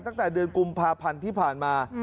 ตั้งแต่เดือนกุมภาพันธ์ที่ผ่านมา